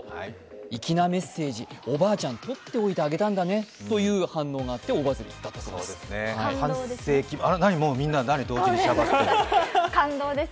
粋なメッセージ、おばあちゃん、とっておいてあげたんだねということで、反応があって大バズりしたということです。